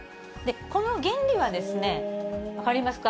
この原理は、分かりますか？